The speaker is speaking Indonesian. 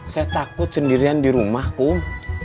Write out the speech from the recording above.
saya takut sendirian di rumah kum